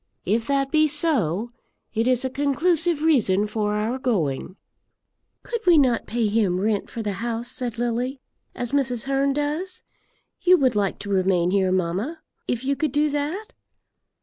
If that be so, it is a conclusive reason for our going." "Could we not pay him rent for the house," said Lily, "as Mrs. Hearn does? You would like to remain here, mamma, if you could do that?"